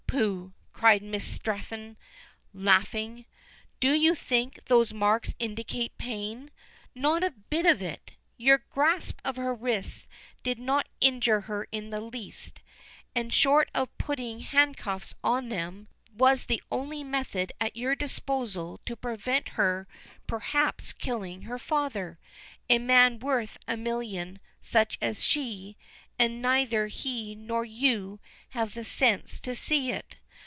pooh!" cried Miss Stretton, laughing. "Do you think those marks indicate pain? Not a bit of it. Your grasp of her wrists did not injure her in the least, and, short of putting handcuffs on them, was the only method at your disposal to prevent her perhaps killing her father, a man worth a million such as she, and yet neither he nor you have the sense to see it.